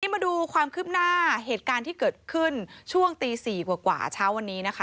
มาดูความคืบหน้าเหตุการณ์ที่เกิดขึ้นช่วงตี๔กว่าเช้าวันนี้นะคะ